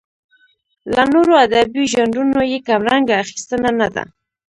له نورو ادبي ژانرونو یې کمرنګه اخیستنه نه ده.